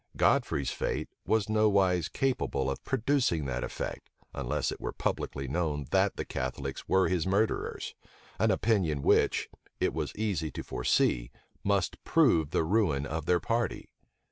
Godfrey's fate was nowise capable of producing that effect, unless it were publicly known that the Catholics were his murderers; an opinion which, it was easy to foresee, must prove the ruin of their party.